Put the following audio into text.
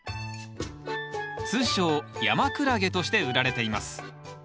通称ヤマクラゲとして売られています。